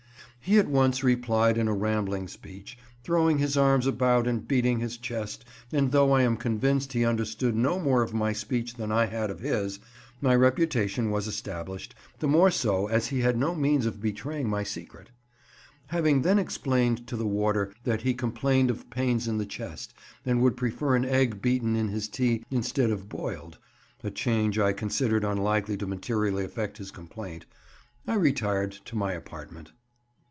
He at once replied in a rambling speech, throwing his arms about and beating his chest; and though I am convinced he understood no more of my speech than I had of his, my reputation was established, the more so as he had no means of betraying my secret. Having then explained to the warder that he complained of pains in the chest, and would prefer an egg beaten in his tea instead of boiled (a change I considered unlikely to materially affect his complaint), I retired to my apartment.